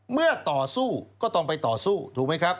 เมื่อต่อสู้ก็ต้องไปต่อสู้ถูกไหมครับ